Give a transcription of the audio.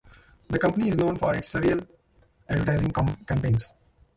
The company is known for its surreal advertising campaigns.